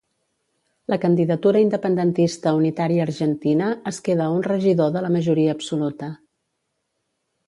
La candidatura independentista unitària argentina es queda a un regidor de la majoria absoluta.